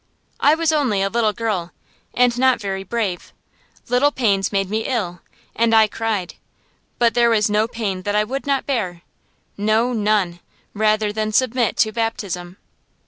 I was only a little girl, and not very brave; little pains made me ill, and I cried. But there was no pain that I would not bear no, none rather than submit to baptism.